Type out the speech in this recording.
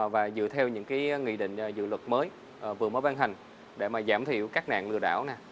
và dựa theo những nghị định dự luật mới vừa mới ban hành để mà giảm thiểu các nạn lừa đảo